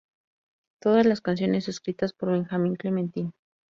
Todas las canciones escritas por Benjamin Clementine.